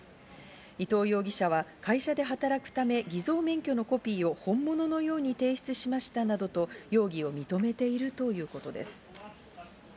伊藤容疑者は会社で働くため、偽装免許のコピーを本物のように提出したなどと容疑を認めているということです。